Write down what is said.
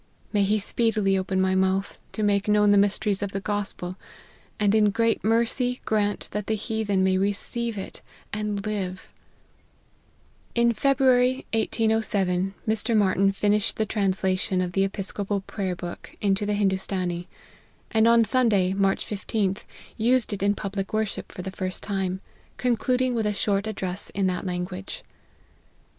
May he speedily open my mouth, to make known the mysteries of the gospel, and in great mercy grant that the heathen may receive it and live !" In February 1807, Mr. Marty n finished the LIFE OF HENRY MARTYN. 93 translation of the Episcopal Prayer book into the Hindoostanee ; and on Sunday, March 15th, used it in public worship for the first time, concluding with a short address in that language.